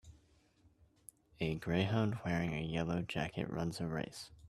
A greyhound wearing a yellow jacket runs a race